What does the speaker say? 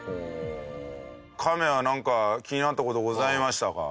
カメは、なんか気になった事ございましたか？